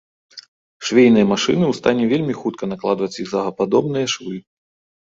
Швейныя машыны ў стане вельмі хутка накладваць зігзагападобныя швы.